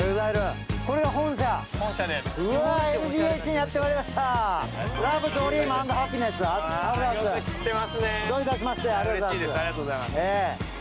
ありがとうございます。